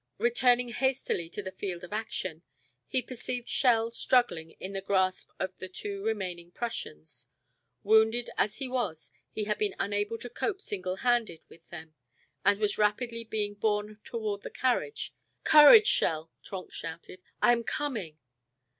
Returning hastily to the field of action, he perceived Schell struggling in the grasp of the two remaining Prussians. Wounded as he was, he had been unable to cope single handed with them, and was rapidly being borne toward the carriage. "Courage, Schell!" Trenck shouted. "I am coming!"